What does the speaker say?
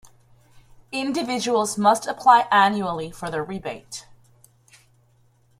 Individuals must apply annually for the rebate.